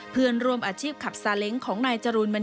เพื่อนร่วมอาชีพพลับสาเล็งของนายจรุลมณีภานะ